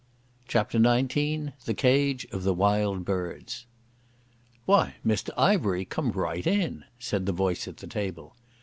CHAPTER XIX The Cage of the Wild Birds "Why, Mr Ivery, come right in," said the voice at the table.